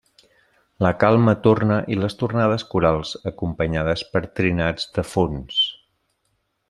La calma torna i les tornades corals, acompanyades per trinats de fons.